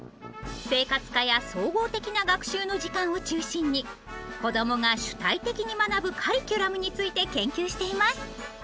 生活科や総合的な学習の時間を中心に子どもが主体的に学ぶカリキュラムについて研究しています。